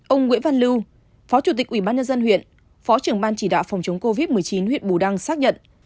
ông nguyễn văn lưu phó chủ tịch ủy ban nhân dân huyện phó trưởng ban chỉ đạo phòng chống covid một mươi chín huyện bù đăng xác nhận